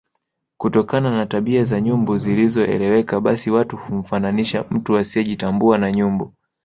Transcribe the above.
Kutokana na tabia za nyumbu zisizoeleweka basi watu humfananisha mtu asiejitambua na nyumbu